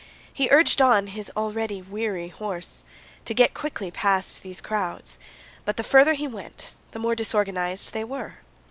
He urged on his already weary horse to get quickly past these crowds, but the farther he went the more disorganized they were.